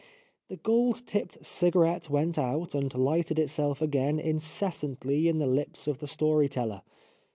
" The gold tipped cigarette went out and lighted itself again incessantly in the lips of the story teller.